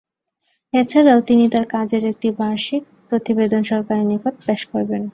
এছাড়াও তিনি তার কাজের একটি বার্ষিক প্রতিবেদন সরকারের নিকট পেশ করবেন।